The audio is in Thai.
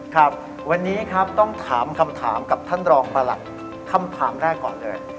ครับวันนี้ครับต้องถามคำถามกับท่านรองประหลัดคำถามแรกก่อนเลย